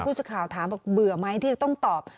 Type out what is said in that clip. สักข่าวถามบอกเบื่อไหมที่จะต้องตอบ